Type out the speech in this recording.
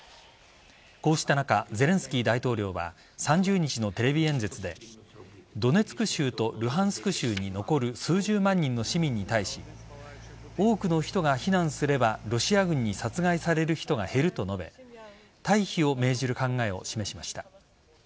こうした中ゼレンスキー大統領は３０日のテレビ演説でドネツク州とルハンスク州に残る数十万人の市民に対し多くの人が避難すればロシア軍に殺害される人が減ると述べ退避を命じる考えを示しました。